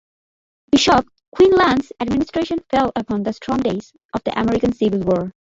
Bishop Quinlan's administration fell upon the storm days of the American Civil War.